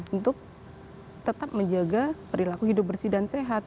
untuk tetap menjaga perilaku hidup bersih dan sehat